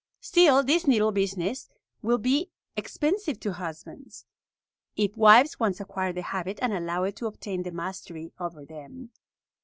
Still, this needle business will be expensive to husbands, if wives once acquire the habit and allow it to obtain the mastery over them.